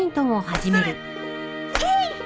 えい！